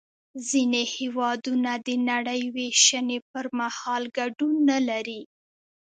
ځینې هېوادونه د نړۍ وېشنې پر مهال ګډون نلري